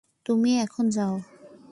তুমি এখন যাও।